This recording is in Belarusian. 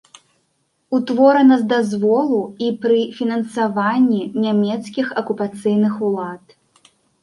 Утворана з дазволу і пры фінансаванні нямецкіх акупацыйных улад.